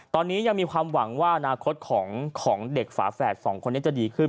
ตอนนี้ยังมีความหวังว่าอนาคตของเด็กฝาแฝดสองคนนี้จะดีขึ้น